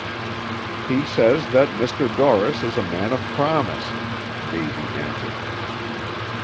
"He says that Mr. Dorris is a man of promise," Davy answered.